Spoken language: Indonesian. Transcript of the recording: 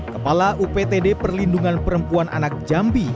kepala uptd perlindungan perempuan anak jambi